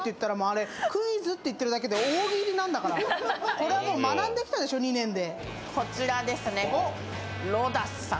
これはもう学んできたでしょ、２年で。